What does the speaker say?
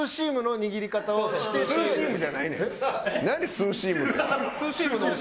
「スーシーム」って。